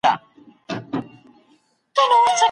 که يوې مسلماني ښځي کفارو ته امان ورکړ، نو عقد ئې جائز دی.